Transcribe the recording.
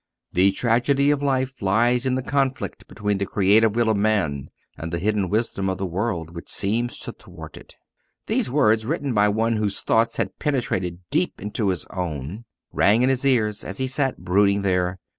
"_The tragedy of life lies in the conflict between the creative will of man and the hidden wisdom of the world, which seems to thwart it_." These words, written by one whose thought had penetrated deep into his own, rang in his ears as he sat brooding there.